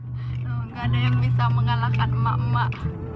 tuh nggak ada yang bisa mengalahkan emak emak